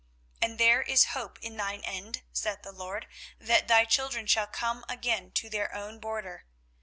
24:031:017 And there is hope in thine end, saith the LORD, that thy children shall come again to their own border.